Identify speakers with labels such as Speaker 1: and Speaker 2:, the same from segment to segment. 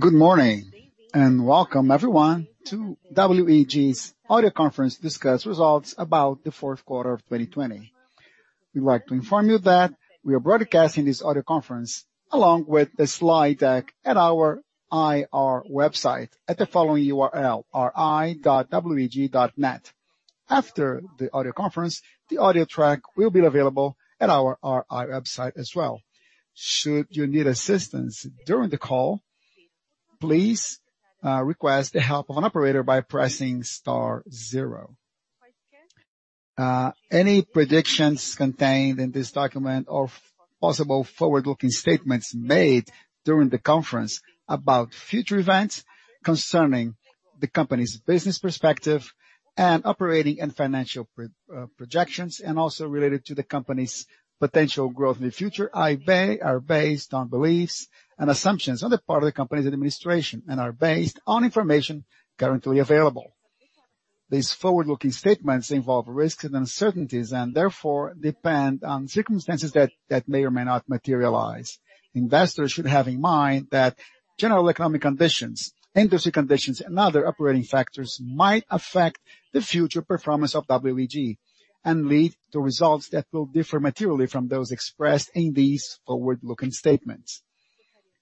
Speaker 1: Good morning and welcome everyone to WEG's audio conference to discuss results about the fourth quarter of 2020. We'd like to inform you that we are broadcasting this audio conference along with the slide deck at our IR website at the following URL, ri.weg.net. After the audio conference, the audio track will be available at our RI website as well. Should you need assistance during the call, please request the help of an operator by pressing star zero. Any predictions contained in this document of possible forward-looking statements made during the conference about future events concerning the company's business perspective and operating and financial projections, and also related to the company's potential growth in the future are based on beliefs and assumptions on the part of the company's administration and are based on information currently available. These forward-looking statements involve risks and uncertainties and therefore depend on circumstances that may or may not materialize. Investors should have in mind that general economic conditions, industry conditions, and other operating factors might affect the future performance of WEG and lead to results that will differ materially from those expressed in these forward-looking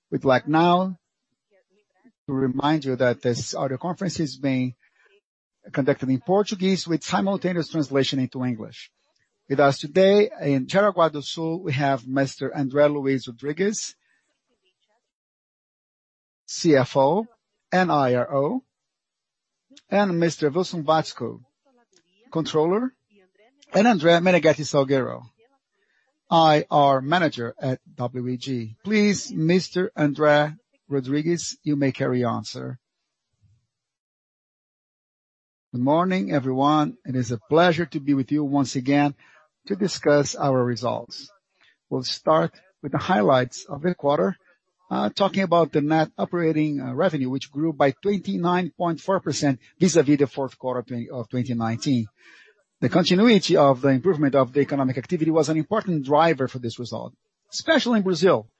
Speaker 1: statements. We'd like now to remind you that this audio conference is being conducted in Portuguese with simultaneous translation into English. With us today in Jaraguá do Sul, we have Mr. André Luís Rodrigues, CFO and IRO, and Mr. Wilson Watzko, Controller, and André Menegueti Salgueiro, IR Manager at WEG. Please, Mr. André Rodrigues, you may carry on, sir.
Speaker 2: Good morning, everyone. It is a pleasure to be with you once again to discuss our results. We'll start with the highlights of the quarter, talking about the net operating revenue, which grew by 29.4% vis-à-vis the fourth quarter of 2019. The continuity of the improvement of the economic activity was an important driver for this result, especially in Brazil,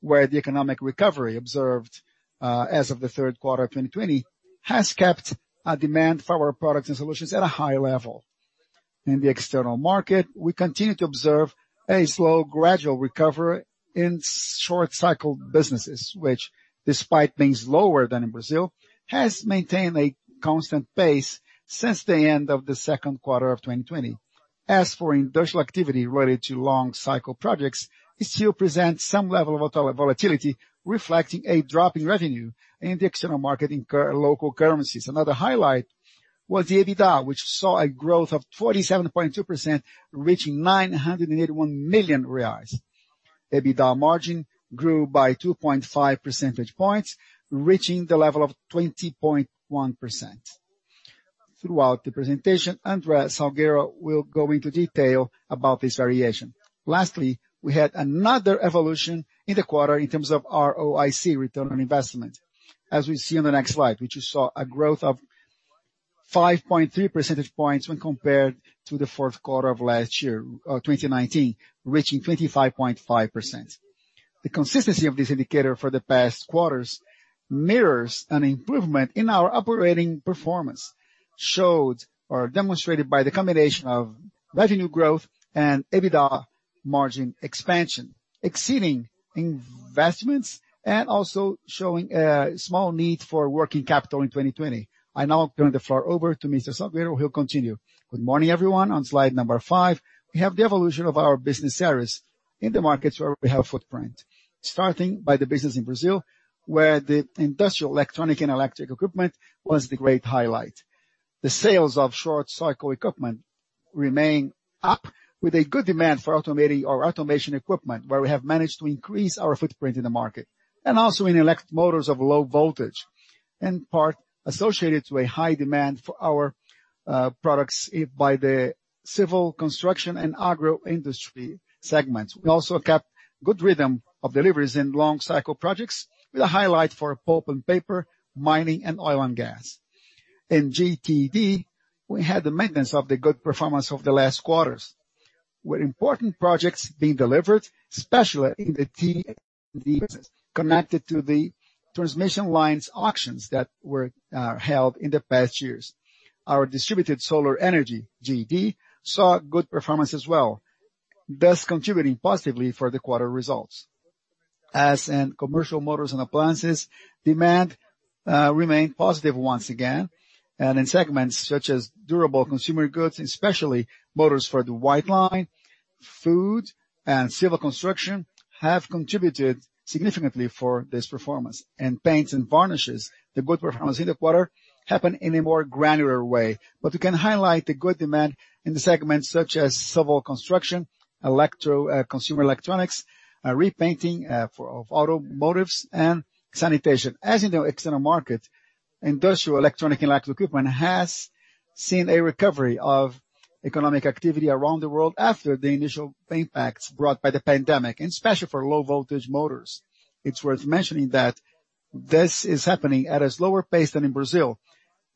Speaker 2: where the economic recovery observed as of the third quarter of 2020 has kept a demand for our products and solutions at a high level. In the external market, we continue to observe a slow, gradual recovery in short cycle businesses, which despite being lower than in Brazil, has maintained a constant pace since the end of the second quarter of 2020. As for industrial activity related to long cycle projects, it still presents some level of volatility, reflecting a drop in revenue in the external market in local currencies. Another highlight was the EBITDA, which saw a growth of 47.2%, reaching 981 million reais. EBITDA margin grew by 2.5 percentage points, reaching the level of 20.1%. Throughout the presentation, André Salgueiro will go into detail about this variation. Lastly, we had another evolution in the quarter in terms of ROIC, return on investment. As we see on the next slide, which you saw a growth of 5.3 percentage points when compared to the fourth quarter of last year, 2019, reaching 25.5%. The consistency of this indicator for the past quarters mirrors an improvement in our operating performance, showed or demonstrated by the combination of revenue growth and EBITDA margin expansion, exceeding investments, and also showing a small need for working capital in 2020. I now turn the floor over to Mr. Salgueiro, who'll continue.
Speaker 3: Good morning, everyone. On slide number five, we have the evolution of our business areas in the markets where we have footprint. Starting by the business in Brazil, where the industrial electronic and electric equipment was the great highlight. The sales of short cycle equipment remain up with a good demand for automation equipment, where we have managed to increase our footprint in the market, and also in electric motors of low voltage, in part associated to a high demand for our products by the civil construction and agro industry segments. We also kept good rhythm of deliveries in long cycle projects with a highlight for pulp and paper, mining, and oil and gas. In GTD, we had the maintenance of the good performance of the last quarters, with important projects being delivered, especially in the TD business connected to the transmission lines auctions that were held in the past years. Our distributed solar energy, GD, saw good performance as well, thus contributing positively for the quarter results. As in commercial motors and appliances, demand remained positive once again, and in segments such as durable consumer goods, especially motors for the white line, food, and civil construction have contributed significantly for this performance. In paints and varnishes, the good performance in the quarter happened in a more granular way, but we can highlight the good demand in the segments such as civil construction, consumer electronics, repainting of automotives, and sanitation. As in the external market, industrial electronic and electric equipment has seen a recovery of economic activity around the world after the initial impacts brought by the pandemic, and especially for low-voltage motors. It's worth mentioning that this is happening at a slower pace than in Brazil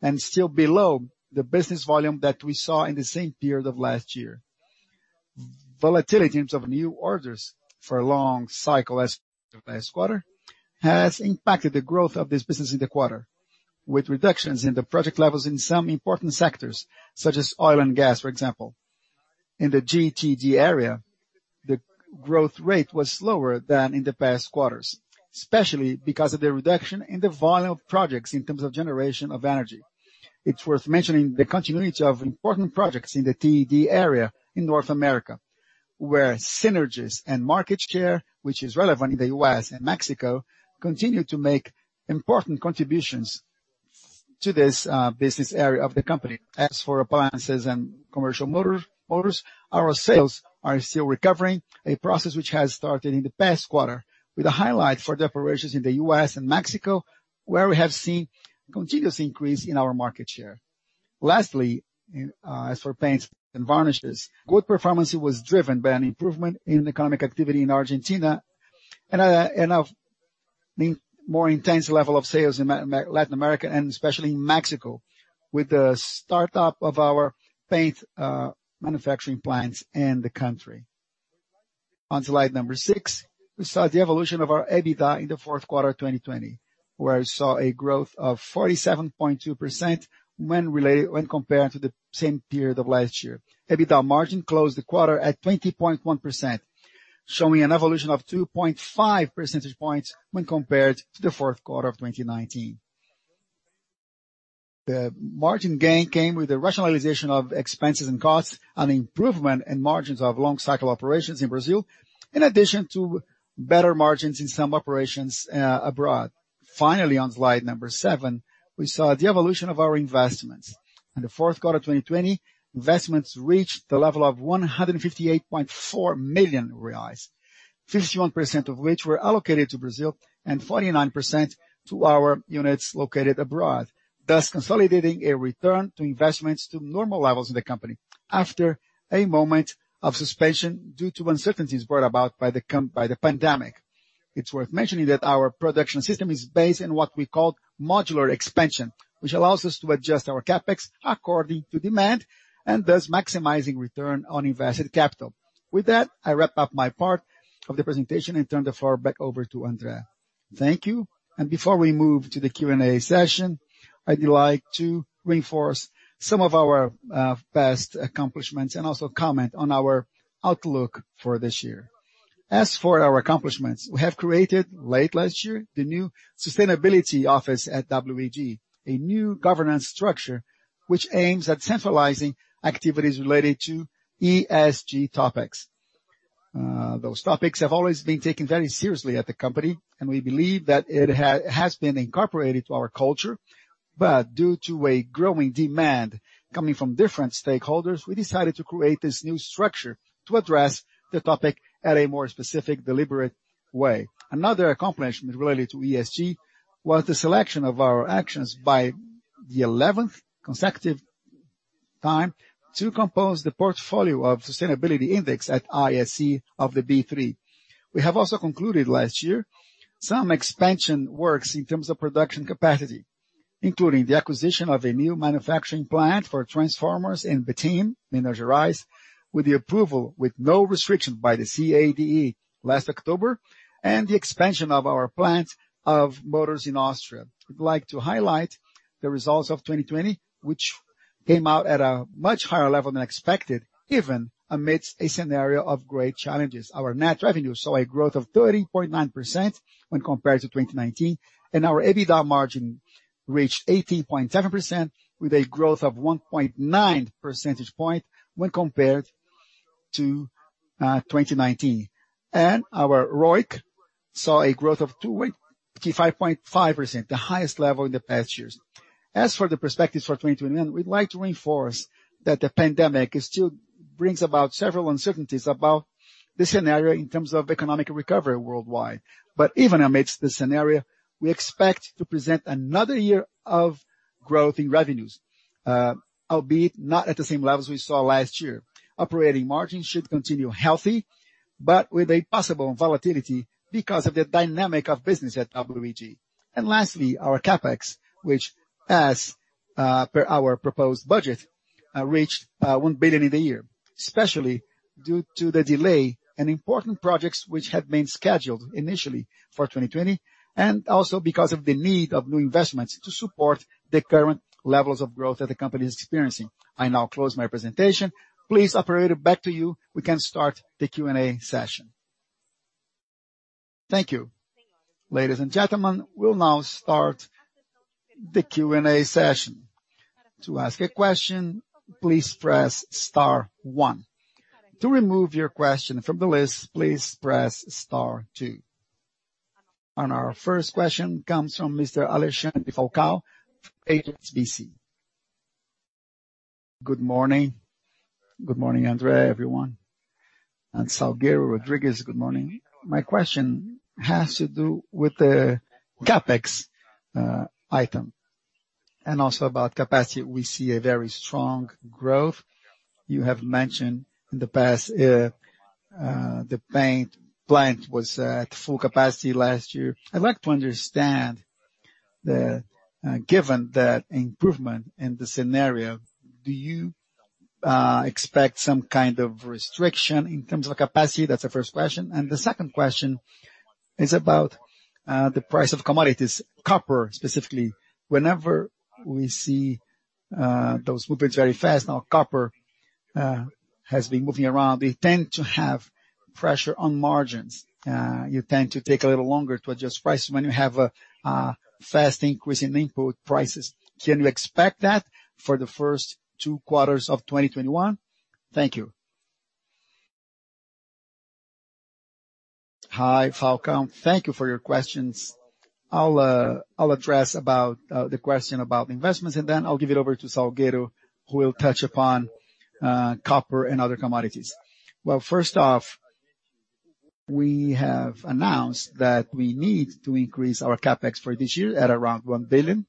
Speaker 3: and still below the business volume that we saw in the same period of last year. Volatility in terms of new orders for a long cycle as of last quarter has impacted the growth of this business in the quarter, with reductions in the project levels in some important sectors, such as oil and gas, for example. In the GTD area, the growth rate was slower than in the past quarters, especially because of the reduction in the volume of projects in terms of generation of energy. It's worth mentioning the continuity of important projects in the T&D area in North America, where synergies and market share, which is relevant in the U.S. and Mexico, continue to make important contributions to this business area of the company. As for appliances and commercial motors, our sales are still recovering, a process which has started in the past quarter with a highlight for the operations in the U.S. and Mexico, where we have seen continuous increase in our market share. Lastly, as for paints and varnishes, good performance was driven by an improvement in economic activity in Argentina and a more intense level of sales in Latin America, and especially Mexico, with the startup of our paint manufacturing plants in the country. On slide number six, we saw the evolution of our EBITDA in the fourth quarter of 2020, where it saw a growth of 47.2% when compared to the same period of last year. EBITDA margin closed the quarter at 20.1%, showing an evolution of 2.5 percentage points when compared to the fourth quarter of 2019. The margin gain came with the rationalization of expenses and costs, and improvement in margins of long cycle operations in Brazil, in addition to better margins in some operations abroad. On slide number seven, we saw the evolution of our investments. In the fourth quarter of 2020, investments reached the level of 158.4 million reais, 51% of which were allocated to Brazil and 49% to our units located abroad, thus consolidating a return to investments to normal levels in the company after a moment of suspension due to uncertainties brought about by the pandemic. It's worth mentioning that our production system is based on what we call modular expansion, which allows us to adjust our CapEx according to demand, and thus maximizing return on invested capital. With that, I wrap up my part of the presentation and turn the floor back over to André. Thank you.
Speaker 2: Before we move to the Q&A session, I'd like to reinforce some of our best accomplishments and also comment on our outlook for this year. As for our accomplishments, we have created late last year the new sustainability office at WEG, a new governance structure which aims at centralizing activities related to ESG topics. Those topics have always been taken very seriously at the company, and we believe that it has been incorporated to our culture. Due to a growing demand coming from different stakeholders, we decided to create this new structure to address the topic at a more specific, deliberate way. Another accomplishment related to ESG was the selection of our actions by the 11th consecutive time to compose the portfolio of sustainability index at ISE of the B3. We have also concluded last year some expansion works in terms of production capacity, including the acquisition of a new manufacturing plant for transformers in Betim, Minas Gerais, with the approval with no restriction by the CADE last October, and the expansion of our plant of motors in Austria. We'd like to highlight the results of 2020, which came out at a much higher level than expected, even amidst a scenario of great challenges. Our net revenue saw a growth of 13.9% when compared to 2019, and our EBITDA margin reached 18.7%, with a growth of 1.9 percentage point when compared to 2019. Our ROIC saw a growth of 25.5%, the highest level in the past years. As for the perspectives for 2021, we'd like to reinforce that the pandemic still brings about several uncertainties about the scenario in terms of economic recovery worldwide. Even amidst this scenario, we expect to present another year of growth in revenues, albeit not at the same levels we saw last year. Operating margins should continue healthy, but with a possible volatility because of the dynamic of business at WEG. Lastly, our CapEx, which as per our proposed budget, reached 1 billion in the year, especially due to the delay in important projects which had been scheduled initially for 2020, and also because of the need of new investments to support the current levels of growth that the company is experiencing. I now close my presentation. Please, operator, back to you. We can start the Q&A session.
Speaker 1: Thank you. Ladies and gentlemen, we'll now start the Q&A session. To ask a question, please press star one. To remove your question from the list, please press star two. Our first question comes from Mr. Alexandre Falcão from HSBC.
Speaker 4: Good morning. Good morning, André, everyone. André Luís Rodrigues, good morning. My question has to do with the CapEx item and also about capacity. We see a very strong growth. You have mentioned in the past the paint plant was at full capacity last year. I'd like to understand, given that improvement in the scenario, do you expect some kind of restriction in terms of capacity? That's the first question. The second question is about the price of commodities, copper specifically. Whenever we see those movements very fast, now copper has been moving around, they tend to have pressure on margins. You tend to take a little longer to adjust prices when you have a fast increase in input prices. Can you expect that for the first two quarters of 2021? Thank you.
Speaker 2: Hi, Falcão. Thank you for your questions. I'll address about the question about investments, and then I'll give it over to Salgueiro, who will touch upon copper and other commodities. First off, we have announced that we need to increase our CapEx for this year at around 1 billion,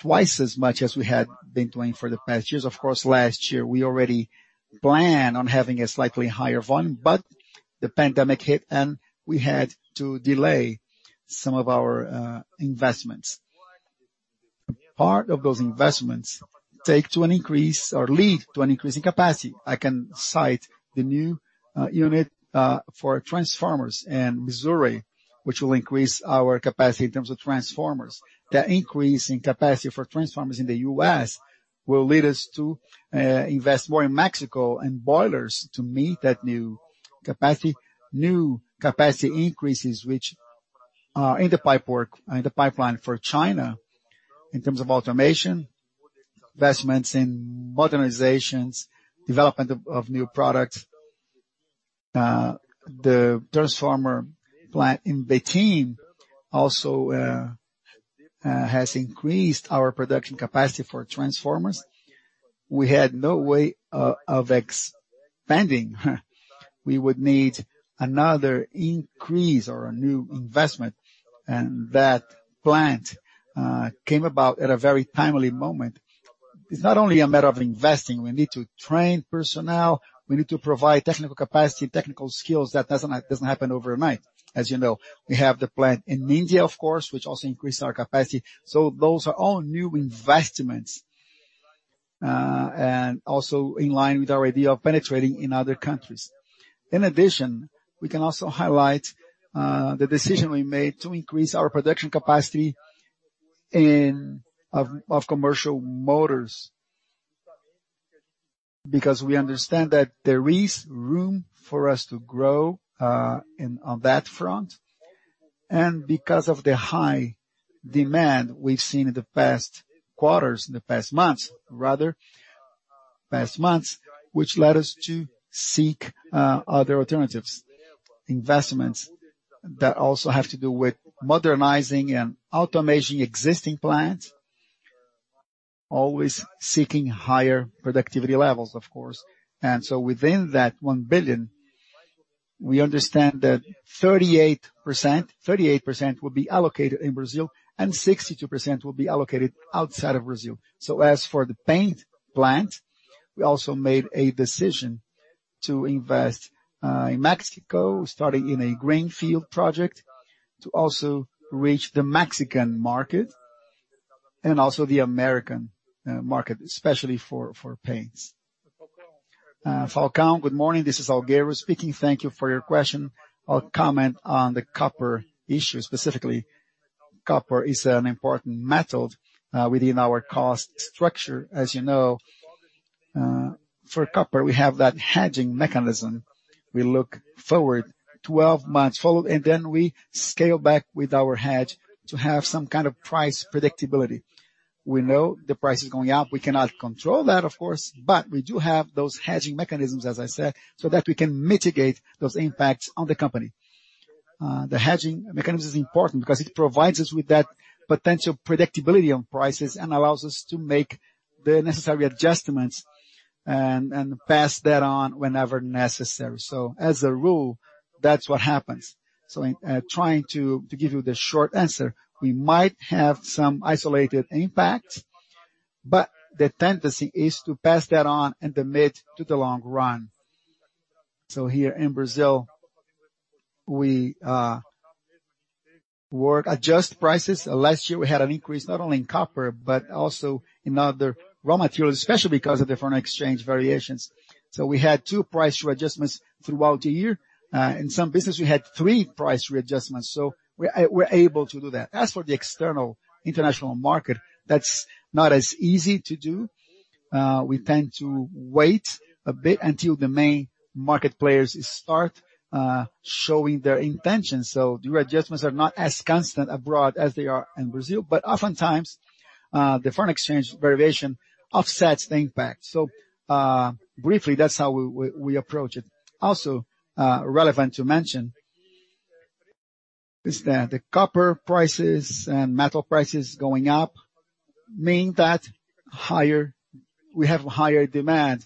Speaker 2: twice as much as we had been doing for the past years. Of course, last year, we already planned on having a slightly higher volume, but the pandemic hit, and we had to delay some of our investments. Part of those investments take to an increase or lead to an increase in capacity. I can cite the new unit for transformers in Missouri, which will increase our capacity in terms of transformers. That increase in capacity for transformers in the U.S. will lead us to invest more in Mexico and boilers to meet that new capacity. New capacity increases, which are in the pipeline for China in terms of automation, investments in modernizations, development of new products. The transformer plant in Betim also has increased our production capacity for transformers. We had no way of expanding. We would need another increase or a new investment, and that plant came about at a very timely moment. It's not only a matter of investing. We need to train personnel, we need to provide technical capacity and technical skills. That doesn't happen overnight, as you know. We have the plant in India, of course, which also increases our capacity. Those are all new investments and also in line with our idea of penetrating in other countries. In addition, we can also highlight the decision we made to increase our production capacity of commercial motors because we understand that there is room for us to grow on that front and because of the high demand we've seen in the past quarters, in the past months rather, which led us to seek other alternatives, investments that also have to do with modernizing and automating existing plants, always seeking higher productivity levels, of course. Within that 1 billion, we understand that 38% will be allocated in Brazil, and 62% will be allocated outside of Brazil. As for the paint plant, we also made a decision to invest in Mexico, starting in a greenfield project, to also reach the Mexican market and also the American market, especially for paints.
Speaker 3: Falcão, good morning. This is Salgueiro speaking. Thank you for your question. I'll comment on the copper issue specifically. Copper is an important metal within our cost structure. As you know, for copper, we have that hedging mechanism. We look forward 12 months and then we scale back with our hedge to have some kind of price predictability. We know the price is going up. We cannot control that, of course, but we do have those hedging mechanisms, as I said, so that we can mitigate those impacts on the company. The hedging mechanism is important because it provides us with that potential predictability on prices and allows us to make the necessary adjustments and pass that on whenever necessary. As a rule, that's what happens. In trying to give you the short answer, we might have some isolated impacts, but the tendency is to pass that on in the mid to the long run. Here in Brazil, we work, adjust prices. Last year, we had an increase not only in copper but also in other raw materials, especially because of the foreign exchange variations. We had two price readjustments throughout the year. In some business, we had three price readjustments. We are able to do that. As for the external international market, that is not as easy to do. We tend to wait a bit until the main market players start showing their intentions. The readjustments are not as constant abroad as they are in Brazil. Oftentimes, the foreign exchange variation offsets the impact. Briefly, that is how we approach it. Also relevant to mention is that the copper prices and metal prices going up mean that we have higher demand,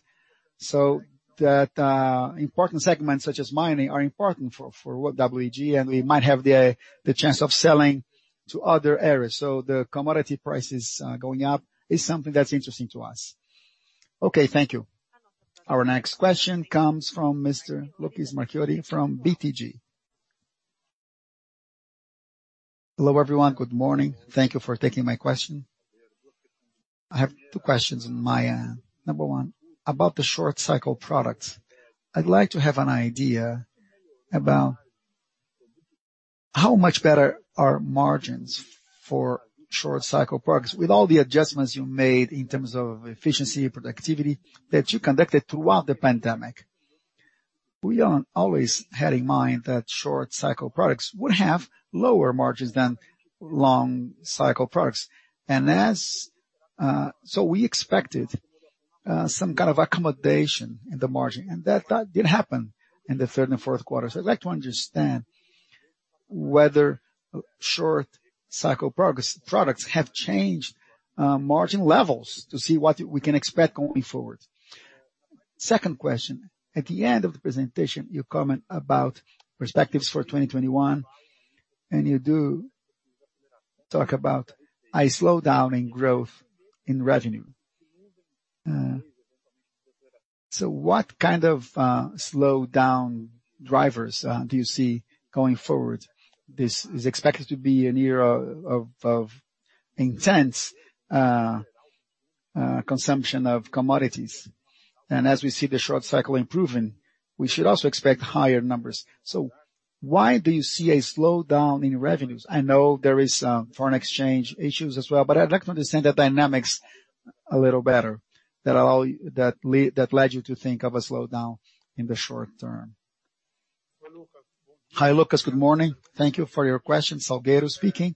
Speaker 3: so that important segments such as mining are important for WEG, and we might have the chance of selling to other areas. The commodity prices going up is something that's interesting to us.
Speaker 4: Okay, thank you.
Speaker 1: Our next question comes from Mr. Lucas Marquiori from BTG.
Speaker 5: Hello, everyone. Good morning. Thank you for taking my question. I have two questions. Number one, about the short cycle products. I'd like to have an idea about how much better are margins for short cycle products with all the adjustments you made in terms of efficiency, productivity that you conducted throughout the pandemic. We always had in mind that short cycle products would have lower margins than long cycle products. We expected some kind of accommodation in the margin, and that did happen in the third and fourth quarters. I'd like to understand whether short cycle products have changed margin levels to see what we can expect going forward. Second question, at the end of the presentation, you comment about perspectives for 2021, and you do talk about a slowdown in growth in revenue. What kind of slowdown drivers do you see going forward? This is expected to be a year of intense consumption of commodities. As we see the short cycle improving, we should also expect higher numbers. Why do you see a slowdown in revenues? I know there is foreign exchange issues as well, but I'd like to understand the dynamics a little better that led you to think of a slowdown in the short term.
Speaker 3: Hi, Lucas. Good morning. Thank you for your question. Salgueiro speaking.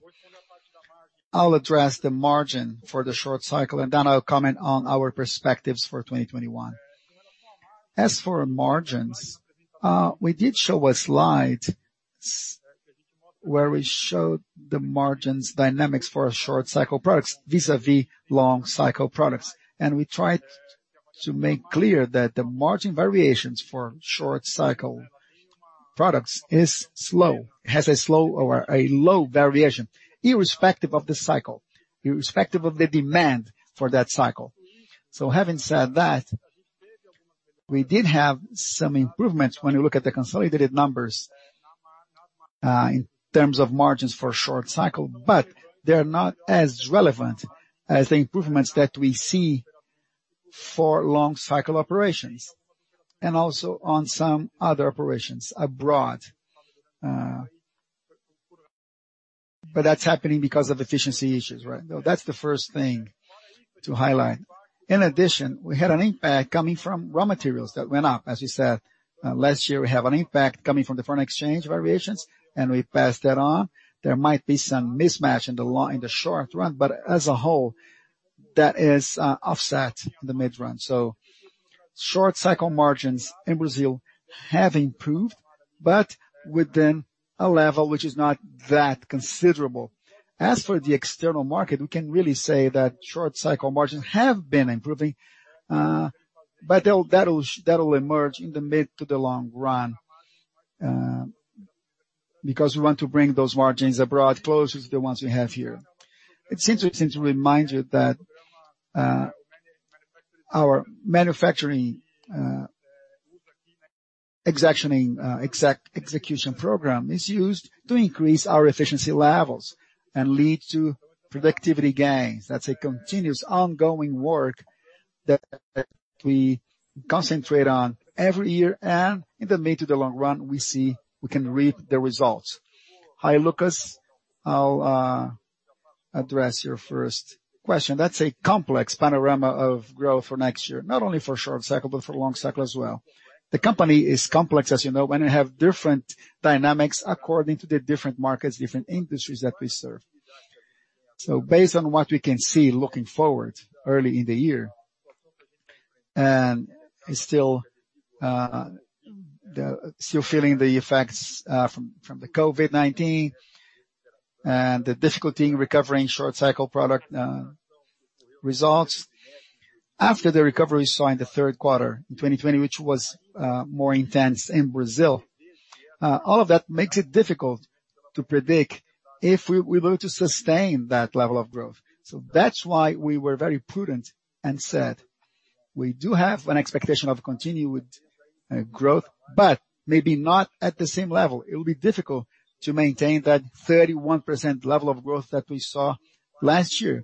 Speaker 3: I'll address the margin for the short cycle, then I'll comment on our perspectives for 2021. As for margins, we did show a slide where we showed the margins dynamics for our short cycle products vis-a-vis long cycle products. We tried to make clear that the margin variations for short cycle products has a slow or a low variation, irrespective of the cycle, irrespective of the demand for that cycle. Having said that, we did have some improvements when you look at the consolidated numbers in terms of margins for short cycle, but they're not as relevant as the improvements that we see for long cycle operations, also on some other operations abroad. That's happening because of efficiency issues, right? That's the first thing to highlight. In addition, we had an impact coming from raw materials that went up. As we said, last year we have an impact coming from the foreign exchange variations, and we passed that on. There might be some mismatch in the short run, but as a whole, that is offset in the midrun. Short cycle margins in Brazil have improved, but within a level which is not that considerable. As for the external market, we can really say that short cycle margins have been improving, but that'll emerge in the mid to the long run, because we want to bring those margins abroad closer to the ones we have here. It's interesting to remind you that our manufacturing execution program is used to increase our efficiency levels and lead to productivity gains. That's a continuous ongoing work that we concentrate on every year. In the mid to the long run, we can reap the results.
Speaker 2: Hi, Lucas. I'll address your first question. That's a complex panorama of growth for next year, not only for short cycle, but for long cycle as well. The company is complex, as you know. It have different dynamics according to the different markets, different industries that we serve. Based on what we can see looking forward early in the year, and still feeling the effects from the COVID-19 and the difficulty in recovering short cycle product results after the recovery we saw in the third quarter in 2020, which was more intense in Brazil. All of that makes it difficult to predict if we're going to sustain that level of growth. That's why we were very prudent and said, we do have an expectation of continued growth, but maybe not at the same level. It will be difficult to maintain that 31% level of growth that we saw last year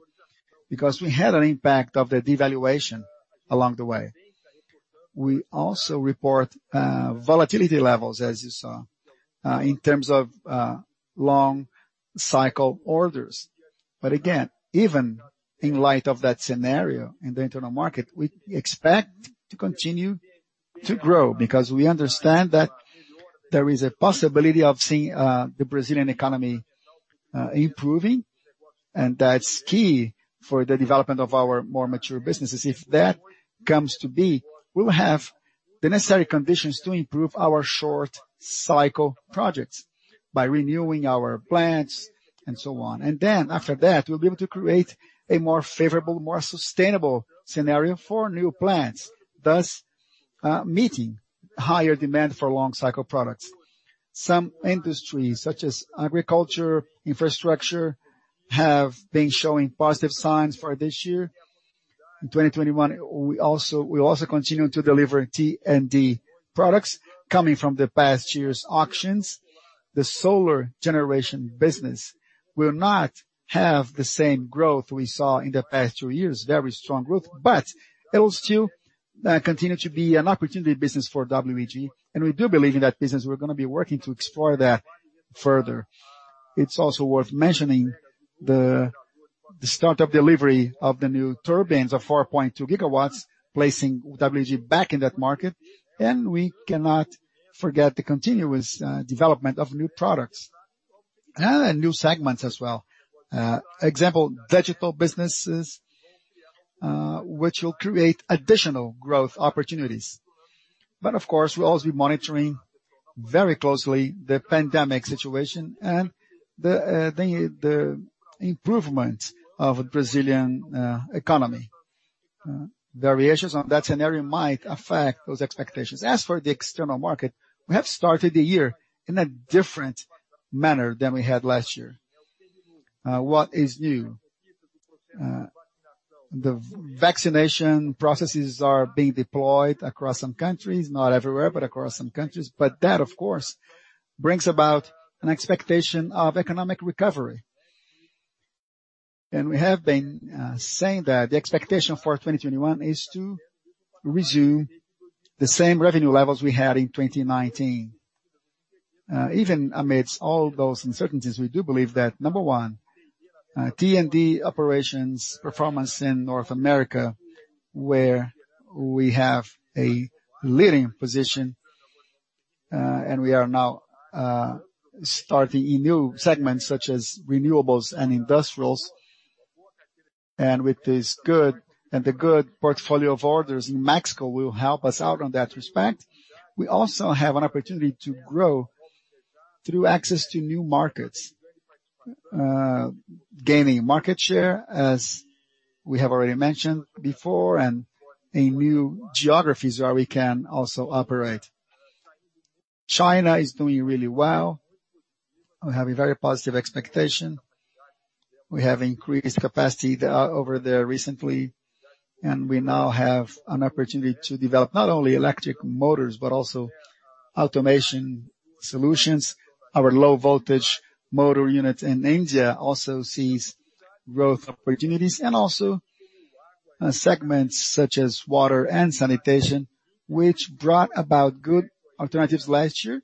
Speaker 2: because we had an impact of the devaluation along the way. We also report volatility levels, as you saw, in terms of long cycle orders. Again, even in light of that scenario in the internal market, we expect to continue to grow because we understand that there is a possibility of seeing the Brazilian economy improving, and that's key for the development of our more mature businesses. If that comes to be, we will have the necessary conditions to improve our short cycle projects by renewing our plants and so on. After that, we'll be able to create a more favorable, more sustainable scenario for new plants, thus meeting higher demand for long cycle products. Some industries, such as agriculture, infrastructure have been showing positive signs for this year. In 2021, we'll also continue to deliver T&D products coming from the past year's auctions. The solar generation business will not have the same growth we saw in the past two years, very strong growth, but it'll still continue to be an opportunity business for WEG, and we do believe in that business. We're going to be working to explore that further. It's also worth mentioning the start of delivery of the new turbines of 4.2 megawatts, placing WEG back in that market, and we cannot forget the continuous development of new products and new segments as well, example, digital businesses, which will create additional growth opportunities. Of course, we'll also be monitoring very closely the pandemic situation and the improvement of Brazilian economy. Variations on that scenario might affect those expectations. As for the external market, we have started the year in a different manner than we had last year. What is new? The vaccination processes are being deployed across some countries, not everywhere, but across some countries. That, of course, brings about an expectation of economic recovery. We have been saying that the expectation for 2021 is to resume the same revenue levels we had in 2019. Even amidst all those uncertainties, we do believe that, number one, T&D operations performance in North America, where we have a leading position, and we are now starting in new segments such as renewables and industrials, and the good portfolio of orders in Mexico will help us out on that respect. We also have an opportunity to grow through access to new markets, gaining market share as we have already mentioned before, and in new geographies where we can also operate. China is doing really well. We have a very positive expectation. We have increased capacity over there recently, and we now have an opportunity to develop not only electric motors, but also automation solutions. Our low voltage motor unit in India also sees growth opportunities and also segments such as water and sanitation, which brought about good alternatives last year,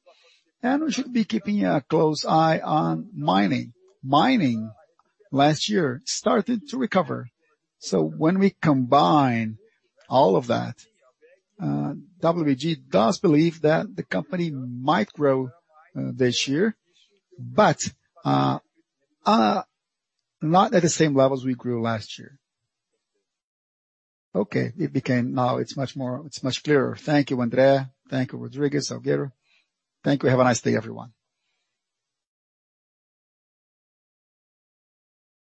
Speaker 2: and we should be keeping a close eye on mining. Mining last year started to recover. When we combine all of that, WEG does believe that the company might grow this year, but not at the same levels we grew last year.
Speaker 5: Okay, now it's much clearer. Thank you, André. Thank you, Rodrigues, Salgueiro. Thank you. Have a nice day, everyone.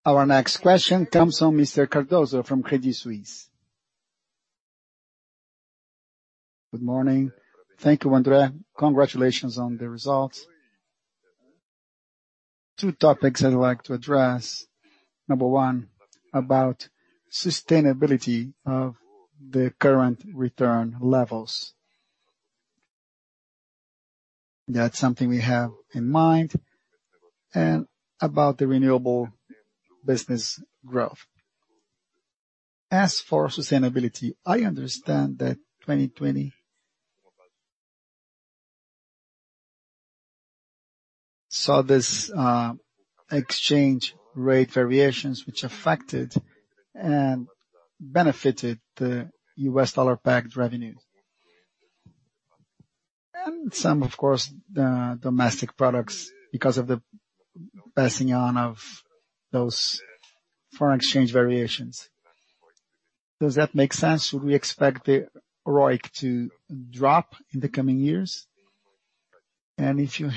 Speaker 1: Our next question comes from Mr. Cardoso from Credit Suisse.
Speaker 6: Good morning. Thank you, André. Congratulations on the results. Two topics I'd like to address. Number one, about sustainability of the current return levels. That's something we have in mind, and about the renewable business growth. As for sustainability, I understand that 2020 saw this exchange rate variations which affected and benefited the US dollar-backed revenue and some, of course, the domestic products because of the passing on of those foreign exchange variations. Does that make sense? Should we expect the ROIC to drop in the coming years, if you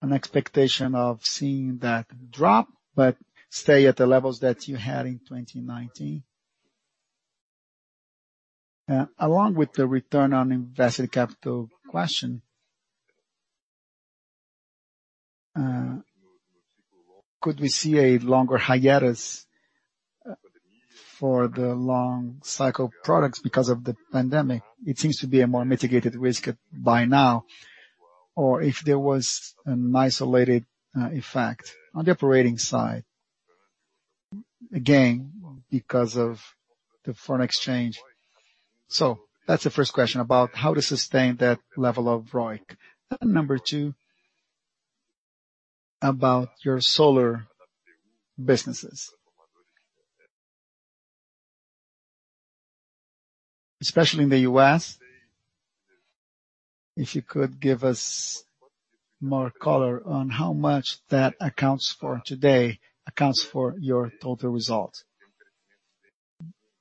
Speaker 6: have an expectation of seeing that drop, but stay at the levels that you had in 2019? Along with the return on invested capital question, could we see a longer hiatus for the long cycle products because of the pandemic? It seems to be a more mitigated risk by now. If there was an isolated effect on the operating side, again, because of the foreign exchange. That's the first question about how to sustain that level of ROIC. Number two, about your solar businesses. Especially in the U.S., if you could give us more color on how much that accounts for today, accounts for your total result.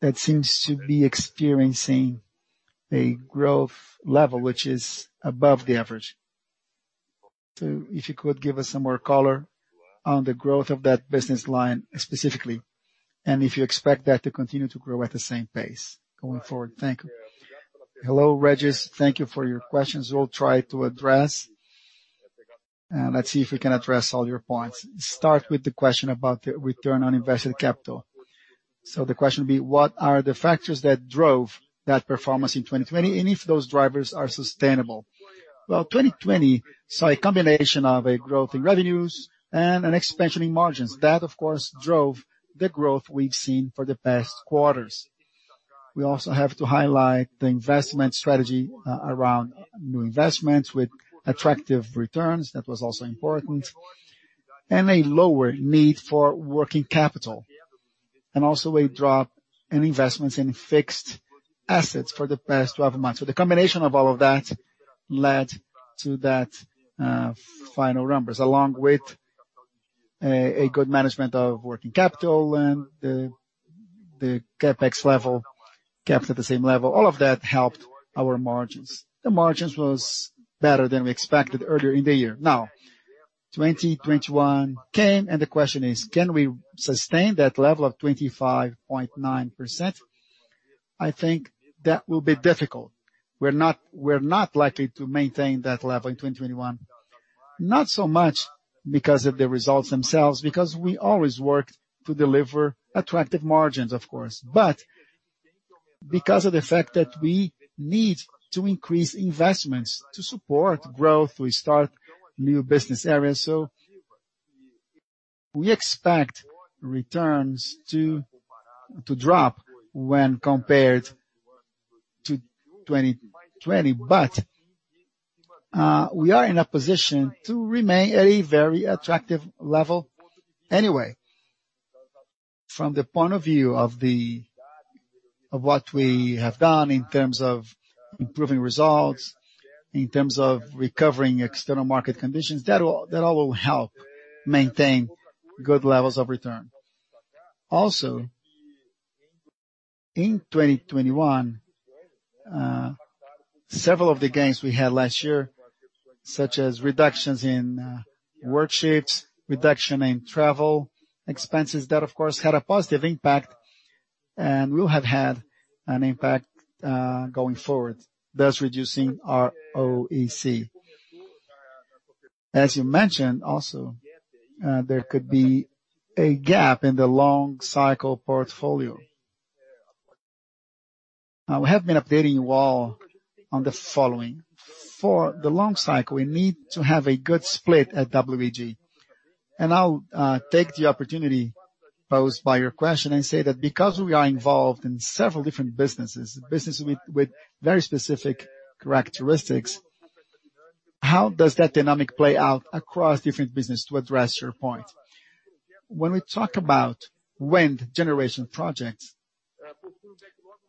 Speaker 6: That seems to be experiencing a growth level which is above the average. If you could give us some more color on the growth of that business line specifically. And if you expect that to continue to grow at the same pace going forward. Thank you.
Speaker 2: Hello, Rejis. Thank you for your questions. We'll try to address, and let's see if we can address all your points. Start with the question about the return on invested capital. The question would be, what are the factors that drove that performance in 2020, and if those drivers are sustainable. 2020 saw a combination of a growth in revenues and an expansion in margins. That, of course, drove the growth we've seen for the past quarters. We also have to highlight the investment strategy around new investments with attractive returns. That was also important. A lower need for working capital, and also a drop in investments in fixed assets for the past 12 months. The combination of all of that led to that final numbers, along with a good management of working capital and the CapEx level kept at the same level. All of that helped our margins. The margins was better than we expected earlier in the year. 2021 came, and the question is: Can we sustain that level of 25.9%? I think that will be difficult. We're not likely to maintain that level in 2021. Not so much because of the results themselves, because we always work to deliver attractive margins, of course, but because of the fact that we need to increase investments to support growth, we start new business areas. We expect returns to drop when compared to 2020. We are in a position to remain at a very attractive level anyway. From the point of view of what we have done in terms of improving results, in terms of recovering external market conditions, that all will help maintain good levels of return. Also, in 2021, several of the gains we had last year, such as reductions in worksheets, reduction in travel expenses, that of course, had a positive impact and will have had an impact going forward, thus reducing our ROIC. As you mentioned also, there could be a gap in the long cycle portfolio. We have been updating you all on the following. For the long cycle, we need to have a good split at WEG. I'll take the opportunity posed by your question and say that because we are involved in several different businesses with very specific characteristics, how does that dynamic play out across different business to address your point? When we talk about wind generation projects,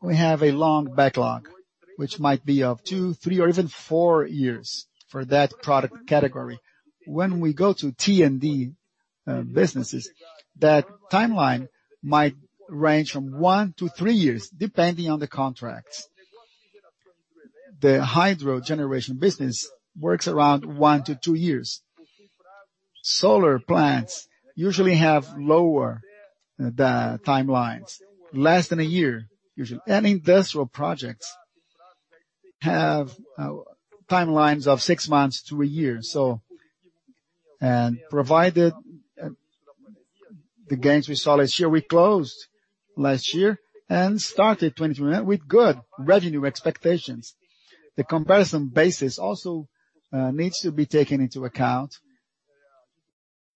Speaker 2: we have a long backlog, which might be of two, three, or even four years for that product category. When we go to T&D businesses, that timeline might range from one to three years, depending on the contracts. The hydro generation business works around one to two years. Solar plants usually have lower timelines, less than a year usually. Industrial projects have timelines of 6 months to one year. Provided the gains we saw last year, we closed last year and started 2021 with good revenue expectations. The comparison basis also needs to be taken into account.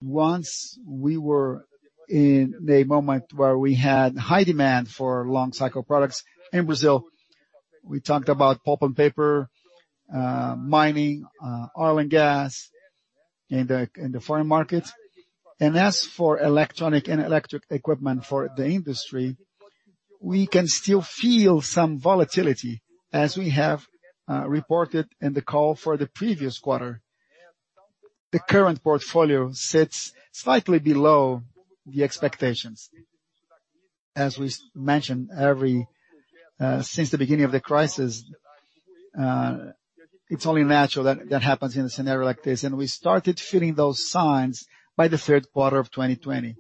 Speaker 2: Once we were in a moment where we had high demand for long cycle products in Brazil, we talked about pulp and paper, mining, oil and gas in the foreign markets. As for electronic and electric equipment for the industry, we can still feel some volatility as we have reported in the call for the previous quarter. The current portfolio sits slightly below the expectations. As we mentioned, since the beginning of the crisis, it's only natural that that happens in a scenario like this. We started feeling those signs by the third quarter of 2020.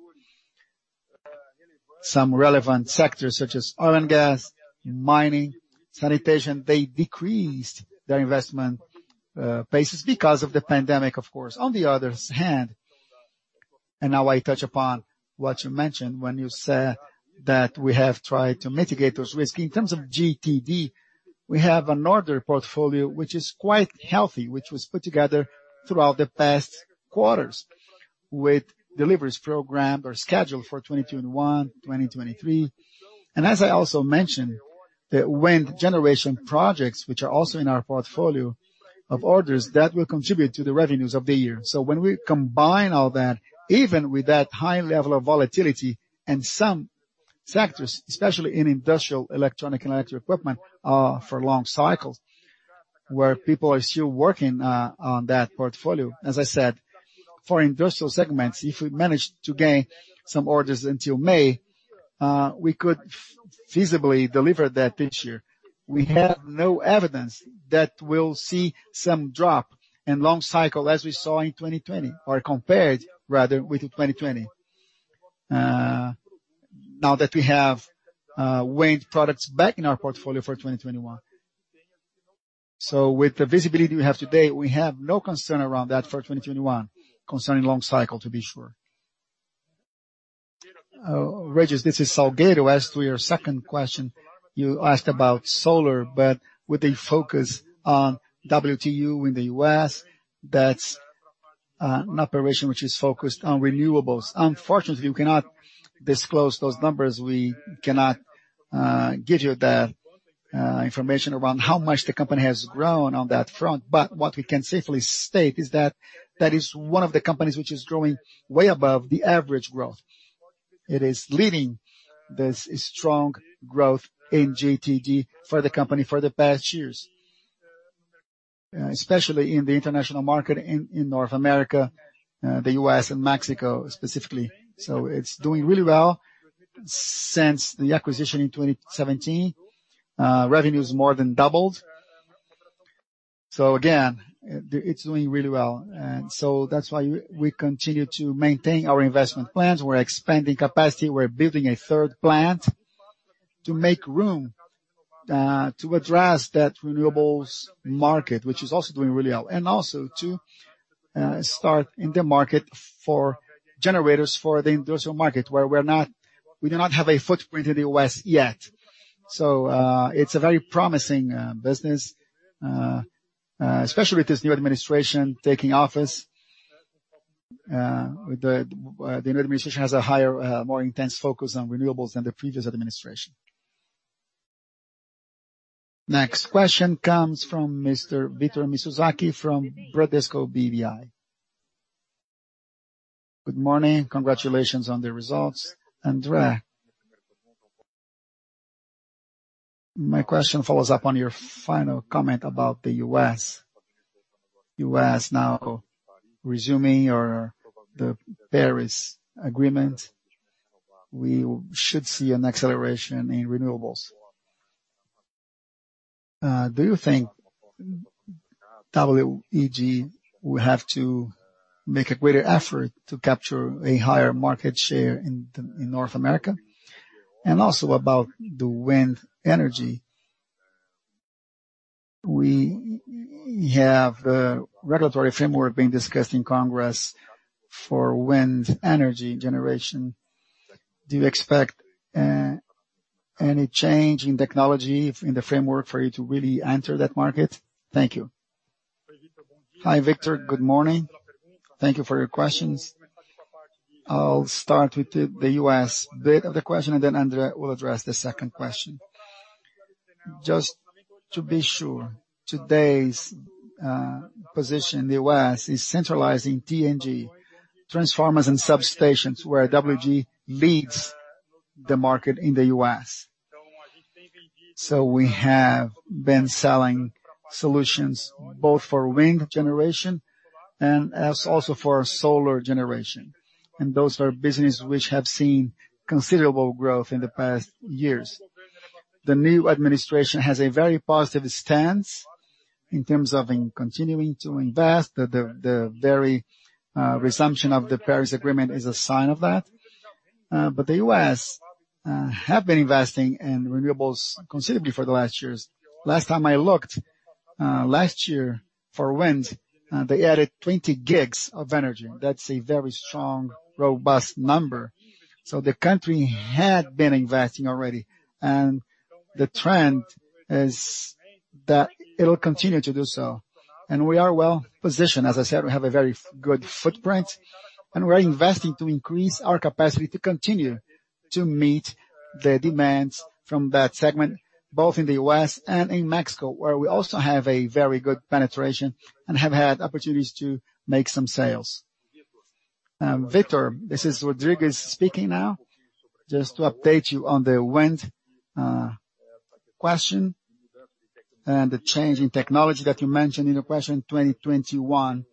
Speaker 2: Some relevant sectors such as oil and gas, mining, sanitation, they decreased their investment basis because of the pandemic, of course. On the other hand, and now I touch upon what you mentioned when you said that we have tried to mitigate those risks. In terms of GTD, we have an order portfolio which is quite healthy, which was put together throughout the past quarters with deliveries programmed or scheduled for 2021, 2023. As I also mentioned, the wind generation projects, which are also in our portfolio of orders, that will contribute to the revenues of the year. When we combine all that, even with that high level of volatility and some sectors, especially in industrial electronic and electric equipment, are for long cycles, where people are still working on that portfolio. As I said, for industrial segments, if we manage to gain some orders until May, we could feasibly deliver that this year. We have no evidence that we'll see some drop in long cycle as we saw in 2020, or compared rather with 2020. Now that we have WEG products back in our portfolio for 2021. With the visibility we have today, we have no concern around that for 2021, concerning long cycle to be sure.
Speaker 3: Régis, this is Salgueiro. As to your second question, you asked about solar, but with a focus on WTU in the U.S., that's an operation which is focused on renewables. Unfortunately, we cannot disclose those numbers. We cannot give you the information around how much the company has grown on that front. What we can safely state is that is one of the companies which is growing way above the average growth. It is leading this strong growth in GTD for the company for the past years, especially in the international market in North America, the U.S. and Mexico specifically. It's doing really well since the acquisition in 2017. Revenue's more than doubled. Again, it's doing really well, and so that's why we continue to maintain our investment plans. We're expanding capacity. We're building a third plant to make room to address that renewables market, which is also doing really well. Also to start in the market for generators for the industrial market, where we do not have a footprint in the U.S. yet. It's a very promising business, especially with this new administration taking office. The new administration has a higher, more intense focus on renewables than the previous administration.
Speaker 1: Next question comes from Mr. Victor Mizusaki from Bradesco BBI.
Speaker 7: Good morning. Congratulations on the results. André, my question follows up on your final comment about the U.S. U.S. now resuming the Paris Agreement. We should see an acceleration in renewables. Do you think WEG will have to make a greater effort to capture a higher market share in North America? Also about the wind energy. We have a regulatory framework being discussed in Congress for wind energy generation. Do you expect any change in technology in the framework for you to really enter that market? Thank you.
Speaker 3: Hi, Victor. Good morning. Thank you for your questions. I'll start with the U.S. bit of the question, and then André will address the second question. Just to be sure, today's position in the U.S. is centralizing T&D, transformers and substations, where WEG leads the market in the U.S. We have been selling solutions both for wind generation and also for solar generation. Those are businesses which have seen considerable growth in the past years. The new administration has a very positive stance in terms of continuing to invest. The very resumption of the Paris Agreement is a sign of that. The U.S. have been investing in renewables considerably for the last years. Last time I looked, last year, for wind, they added 20 GW of energy. That's a very strong, robust number. The country had been investing already, and the trend is that it'll continue to do so. We are well-positioned. As I said, we have a very good footprint, and we're investing to increase our capacity to continue to meet the demands from that segment, both in the U.S. and in Mexico, where we also have a very good penetration and have had opportunities to make some sales.
Speaker 2: Victor, this is Rodrigues speaking now. Just to update you on the wind question and the change in technology that you mentioned in your question, 2021.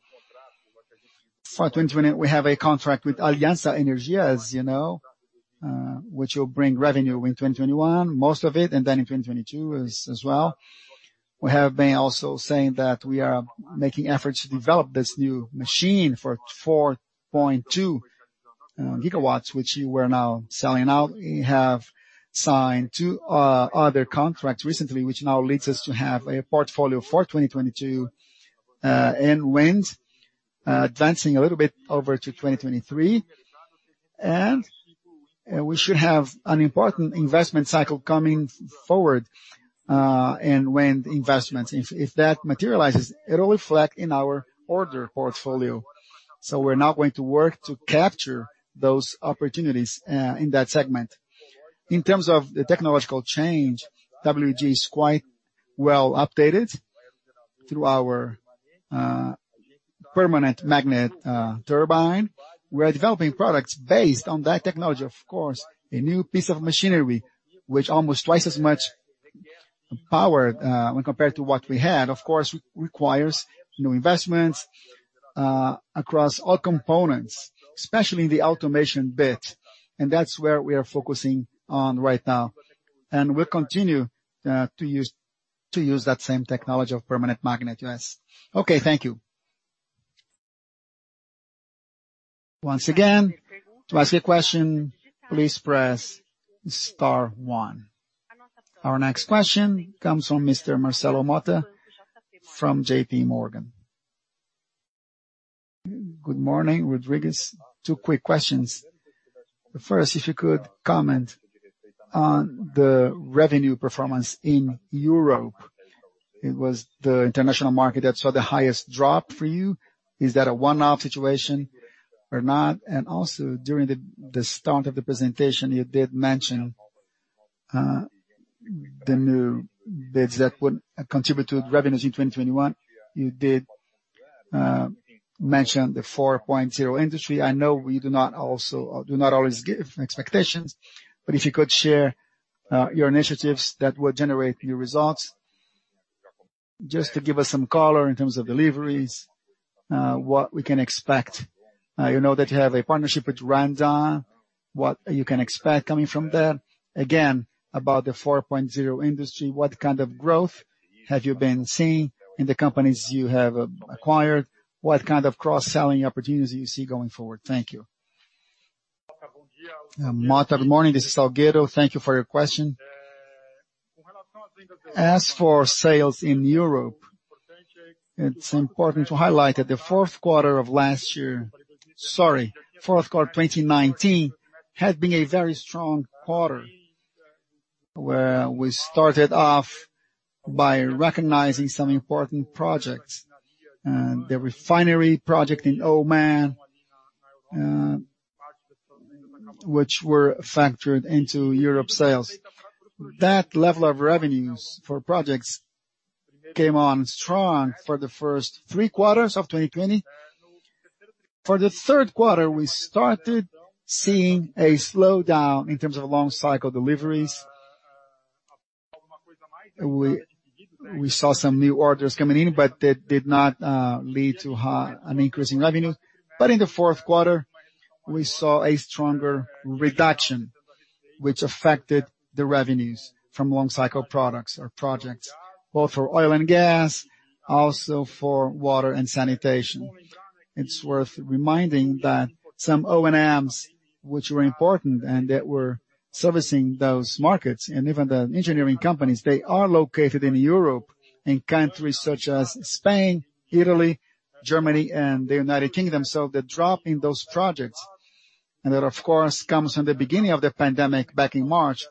Speaker 2: For 2021, we have a contract with Aliança Energia, which will bring revenue in 2021, most of it, and then in 2022 as well. We have been also saying that we are making efforts to develop this new machine for 4.2 megawatts, which we're now selling out. We have signed two other contracts recently, which now leads us to have a portfolio for 2022 in wind, advancing a little bit over to 2023. We should have an important investment cycle coming forward in wind investments. If that materializes, it'll reflect in our order portfolio. We're now going to work to capture those opportunities in that segment. In terms of the technological change, WEG is quite well updated through our permanent magnet turbine. We're developing products based on that technology, of course, a new piece of machinery which almost twice as much power when compared to what we had, of course requires new investments across all components, especially the automation bit, and that's where we are focusing on right now. We'll continue to use that same technology of permanent magnet US.
Speaker 7: Okay, thank you.
Speaker 1: Our next question comes from Mr. Marcelo Motta from JPMorgan.
Speaker 8: Good morning, Rodrigues. Two quick questions. First, if you could comment on the revenue performance in Europe. It was the international market that saw the highest drop for you. Is that a one-off situation or not? Also during the start of the presentation, you did mention the new bids that would contribute to revenues in 2021. You did mention the Industry 4.0. I know we do not always give expectations, but if you could share your initiatives that will generate new results, just to give us some color in terms of deliveries, what we can expect. I know that you have a partnership with Randon, what you can expect coming from that. Again, about the Industry 4.0, what kind of growth have you been seeing in the companies you have acquired? What kind of cross-selling opportunities do you see going forward? Thank you.
Speaker 3: Motta, good morning. This is Salgueiro. Thank you for your question. As for sales in Europe, it's important to highlight that the fourth quarter of last year, sorry, fourth quarter 2019, had been a very strong quarter, where we started off by recognizing some important projects. The refinery project in Oman, which were factored into Europe sales. That level of revenues for projects came on strong for the first three quarters of 2020. For the third quarter, we started seeing a slowdown in terms of long cycle deliveries. We saw some new orders coming in, but that did not lead to an increase in revenue. In the fourth quarter, we saw a stronger reduction, which affected the revenues from long cycle products or projects, both for oil and gas, also for water and sanitation. It's worth reminding that some OEMs, which were important and that were servicing those markets, and even the engineering companies, they are located in Europe and countries such as Spain, Italy, Germany, and the United Kingdom. The drop in those projects, and that of course, comes from the beginning of the pandemic back in March,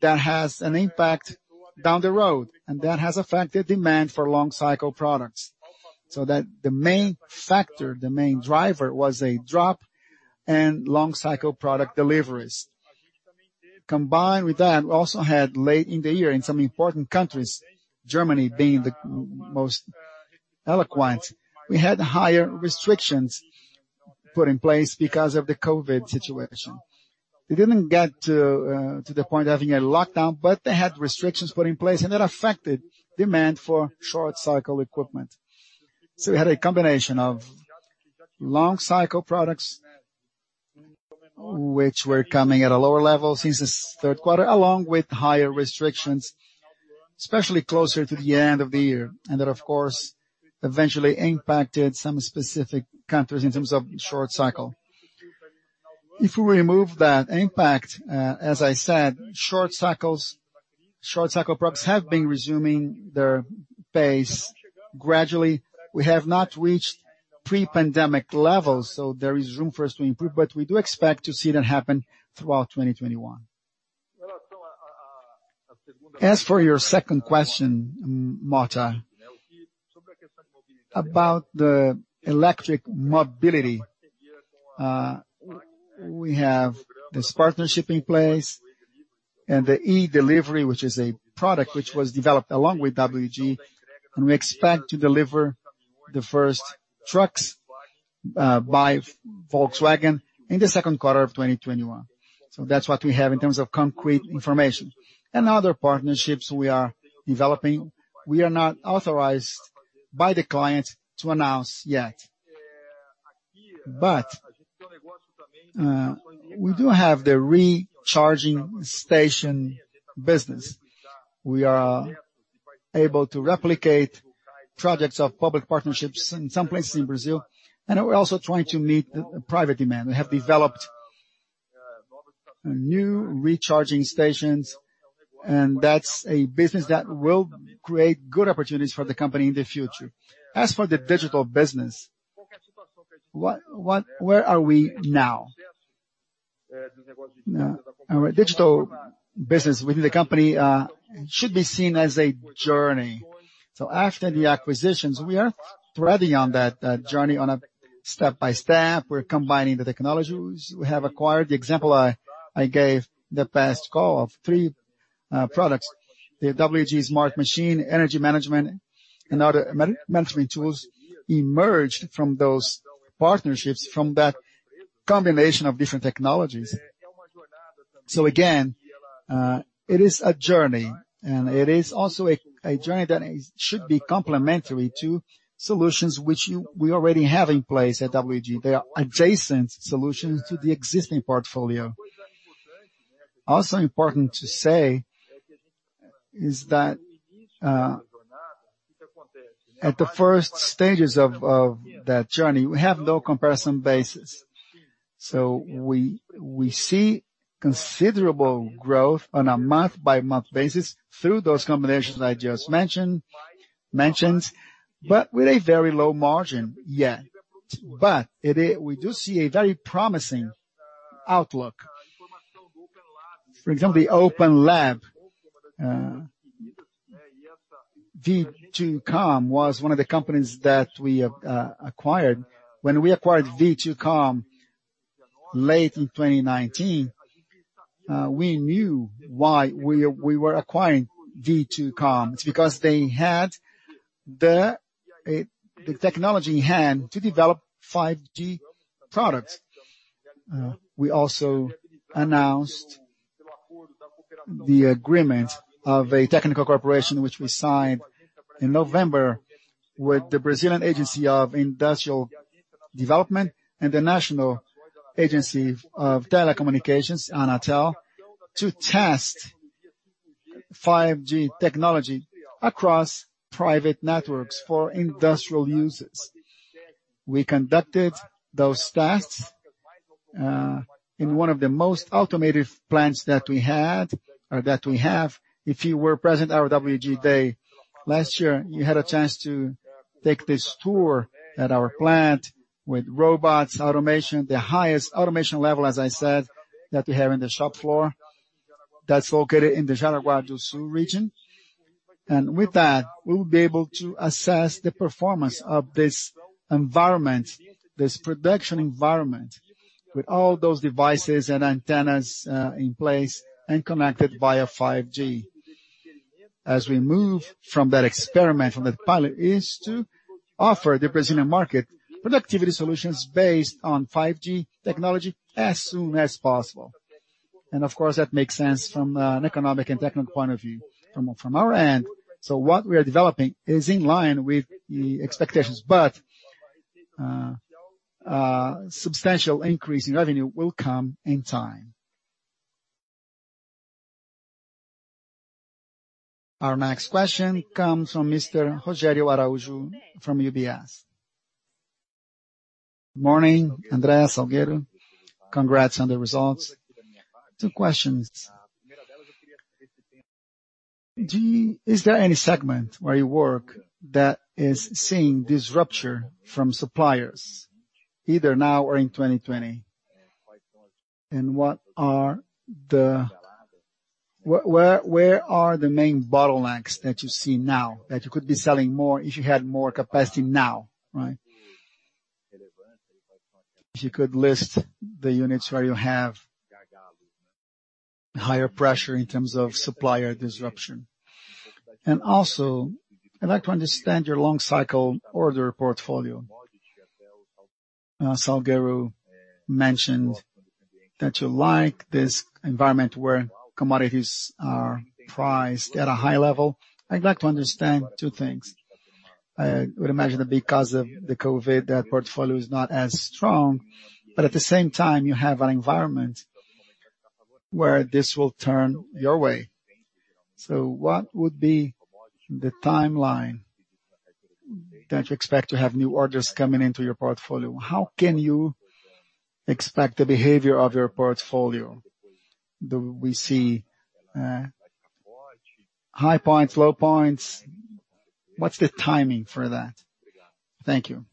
Speaker 3: that has an impact down the road, and that has affected demand for long cycle products. The main factor, the main driver, was a drop in long cycle product deliveries. Combined with that, we also had late in the year in some important countries, Germany being the most eloquent, we had higher restrictions put in place because of the COVID situation. We didn't get to the point of having a lockdown, but they had restrictions put in place, and that affected demand for short cycle equipment. We had a combination of long cycle products, which were coming at a lower level since the third quarter, along with higher restrictions, especially closer to the end of the year. That, of course, eventually impacted some specific countries in terms of short cycle. If we remove that impact, as I said, short cycle products have been resuming their pace gradually. We have not reached pre-pandemic levels, so there is room for us to improve, but we do expect to see that happen throughout 2021. As for your second question, Motta, about the electric mobility. We have this partnership in place and the e-Delivery, which is a product which was developed along with WEG, and we expect to deliver the first trucks by Volkswagen in the second quarter of 2021. That's what we have in terms of concrete information.
Speaker 2: Other partnerships we are developing, we are not authorized by the client to announce yet. We do have the recharging station business. We are able to replicate projects of public partnerships in some places in Brazil, and we're also trying to meet private demand. We have developed new recharging stations, and that's a business that will create good opportunities for the company in the future. As for the digital business, where are we now? Our digital business within the company should be seen as a journey. After the acquisitions, we are treading on that journey on a step by step. We're combining the technologies we have acquired. The example I gave the past call of three products, the WEG Smart Machine, energy management and other management tools emerged from those partnerships, from that combination of different technologies. Again, it is a journey, and it is also a journey that should be complementary to solutions which we already have in place at WEG. They are adjacent solutions to the existing portfolio. Also important to say is that at the first stages of that journey, we have no comparison basis. We see considerable growth on a month-by-month basis through those combinations I just mentioned. With a very low margin yet. We do see a very promising outlook. For example, the OpenLab. V2COM was one of the companies that we acquired. When we acquired V2COM late in 2019, we knew why we were acquiring V2COM. It's because they had the technology in hand to develop 5G products. We also announced the agreement of a technical cooperation, which we signed in November with the Brazilian Agency for Industrial Development and the National Telecommunications Agency, ANATEL, to test 5G technology across private networks for industrial uses. We conducted those tests in one of the most automated plants that we have. If you were present at our WEG Day last year, you had a chance to take this tour at our plant with robots, automation, the highest automation level, as I said, that we have in the shop floor that's located in the Jaraguá do Sul region. With that, we will be able to assess the performance of this environment, this production environment, with all those devices and antennas in place and connected via 5G. As we move from that experiment, from that pilot, is to offer the Brazilian market productivity solutions based on 5G technology as soon as possible. Of course, that makes sense from an economic and technical point of view from our end. What we are developing is in line with the expectations, but a substantial increase in revenue will come in time.
Speaker 1: Our next question comes from Mr. Rogério Araújo from UBS.
Speaker 9: Good morning, André, Salgueiro. Congrats on the results. Two questions. Is there any segment where you work that is seeing disruption from suppliers, either now or in 2020? Where are the main bottlenecks that you see now that you could be selling more if you had more capacity now, right? If you could list the units where you have higher pressure in terms of supplier disruption. Also, I'd like to understand your long cycle order portfolio. Salgueiro mentioned that you like this environment where commodities are priced at a high level. I'd like to understand two things. I would imagine that because of the COVID, that portfolio is not as strong, but at the same time, you have an environment where this will turn your way. What would be the timeline that you expect to have new orders coming into your portfolio? How can you expect the behavior of your portfolio? Do we see high points, low points? What's the timing for that? Thank you.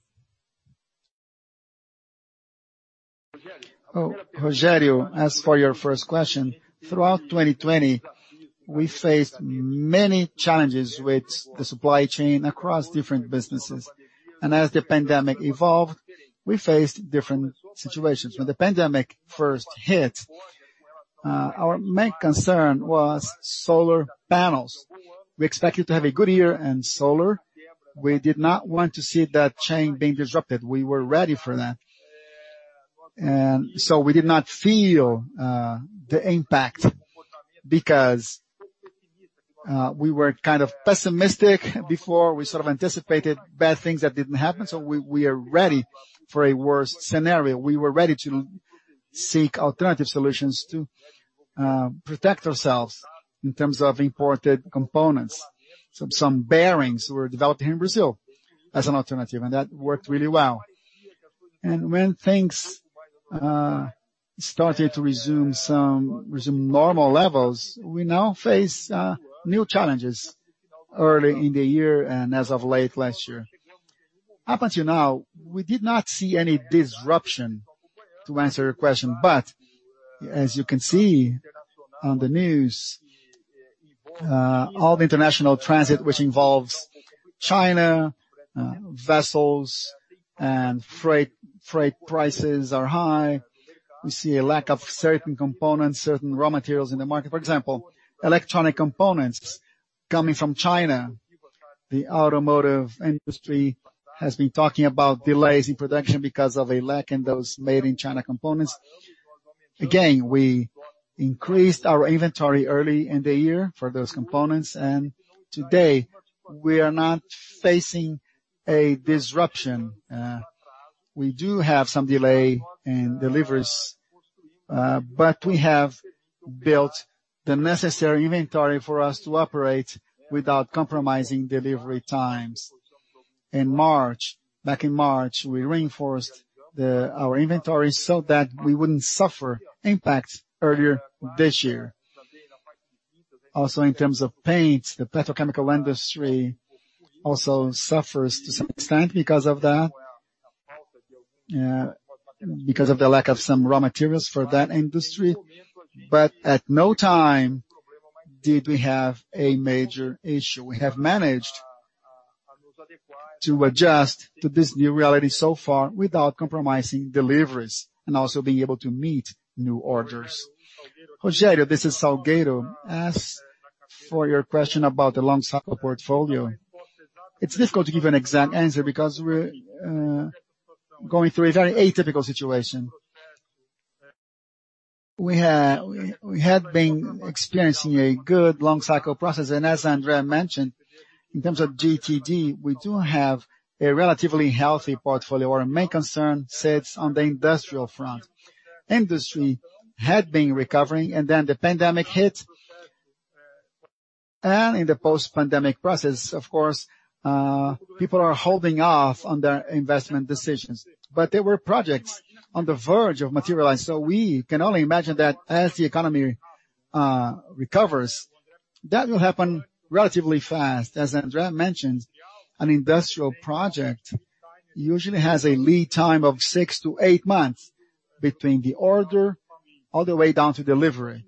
Speaker 2: Rogério, as for your first question, throughout 2020, we faced many challenges with the supply chain across different businesses. As the pandemic evolved, we faced different situations. When the pandemic first hit, our main concern was solar panels. We expected to have a good year in solar. We did not want to see that chain being disrupted. We were ready for that. We did not feel the impact because we were kind of pessimistic before. We sort of anticipated bad things that didn't happen. We are ready for a worse scenario. We were ready to seek alternative solutions to protect ourselves in terms of imported components. Some bearings were developed here in Brazil as an alternative, and that worked really well. When things started to resume normal levels, we now face new challenges early in the year and as of late last year. Up until now, we did not see any disruption, to answer your question. As you can see on the news, all the international transit which involves China vessels and freight prices are high. We see a lack of certain components, certain raw materials in the market. For example, electronic components coming from China. The automotive industry has been talking about delays in production because of a lack in those made-in-China components. Again, we increased our inventory early in the year for those components, and today we are not facing a disruption. We do have some delay in deliveries. We have built the necessary inventory for us to operate without compromising delivery times. Back in March, we reinforced our inventory so that we wouldn't suffer impact earlier this year. Also, in terms of paint, the petrochemical industry also suffers to some extent because of the lack of some raw materials for that industry. At no time did we have a major issue. We have managed to adjust to this new reality so far without compromising deliveries and also being able to meet new orders.
Speaker 3: Rogério, this is Salgueiro. As for your question about the long cycle portfolio, it's difficult to give an exact answer because we're going through a very atypical situation. We had been experiencing a good long cycle process. As André mentioned, in terms of GTD, we do have a relatively healthy portfolio. Our main concern sits on the industrial front. Industry had been recovering. Then the pandemic hit. In the post-pandemic process, of course, people are holding off on their investment decisions. There were projects on the verge of materialized. We can only imagine that as the economy recovers, that will happen relatively fast. As André mentioned, an industrial project usually has a lead time of 6 to 8 months between the order all the way down to delivery.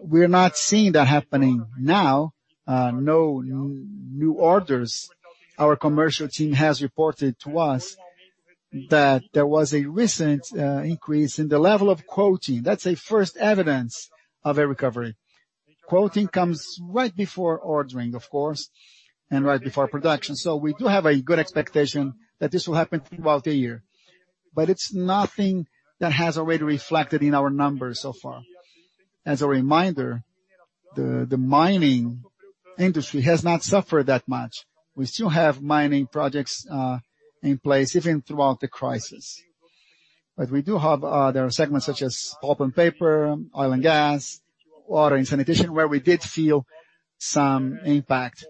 Speaker 3: We're not seeing that happening now. No new orders. Our commercial team has reported to us that there was a recent increase in the level of quoting. That's a first evidence of a recovery. Quoting comes right before ordering, of course, and right before production. We do have a good expectation that this will happen throughout the year. It's nothing that has already reflected in our numbers so far. As a reminder, the mining industry has not suffered that much. We still have mining projects in place, even throughout the crisis. There are segments such as pulp and paper, oil and gas, water and sanitation, where we did feel some impact,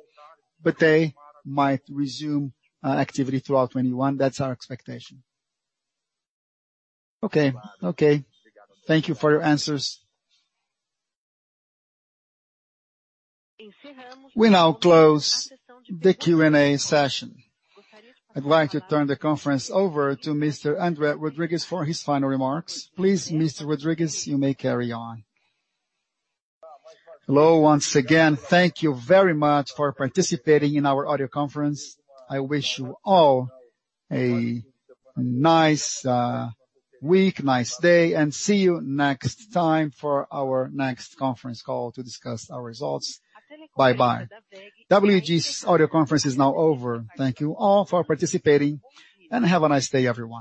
Speaker 3: but they might resume activity throughout 2021. That's our expectation.
Speaker 9: Okay. Thank you for your answers.
Speaker 1: We now close the Q&A session. I'd like to turn the conference over to Mr. André Rodrigues for his final remarks. Please, Mr. Rodrigues, you may carry on.
Speaker 2: Hello once again. Thank you very much for participating in our audio conference. I wish you all a nice week, nice day, and see you next time for our next conference call to discuss our results. Bye-bye.
Speaker 1: WEG's audio conference is now over. Thank you all for participating, and have a nice day, everyone.